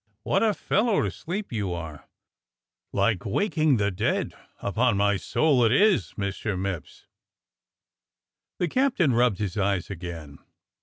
"What a fellow to sleep you are ! Like waking the dead ! Upon my soul, it is, Mr. Mipps." The captain rubbed his eyes again.